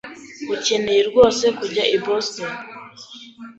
Ukeneye rwose kujya i Boston?